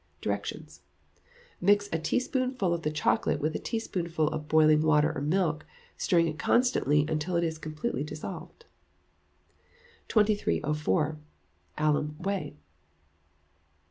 Directions. Mix a teaspoonful of the chocolate with a teaspoonful of boiling water or milk, stirring it constantly until it is completely dissolved. 2304. Alum Whey.